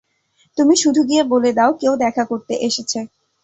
তুমি শুধু গিয়ে বলে দাও কেউ দেখা করতে এসেছে।